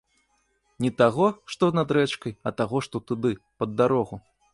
Не таго, што над рэчкай, а таго, што туды, пад дарогу.